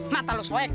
mata lu soek